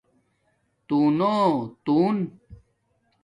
تُݸنو تݸن